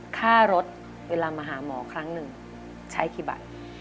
ค่ารถเวลามาหาหมอครั้งหนึ่งใช้กี่บาท